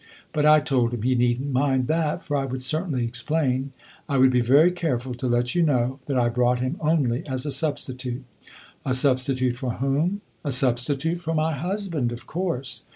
But I told him he need n't mind that, for I would certainly explain. I would be very careful to let you know that I brought him only as a substitute. A substitute for whom? A substitute for my husband, of course.